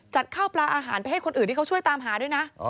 ข้าวปลาอาหารไปให้คนอื่นที่เขาช่วยตามหาด้วยนะ